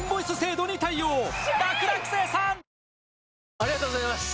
ありがとうございます！